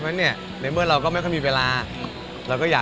เพราะฉะนั้นในเมื่อเราก็ไม่ค่อยมีเวลา